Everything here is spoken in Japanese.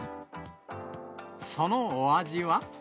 そのお味は。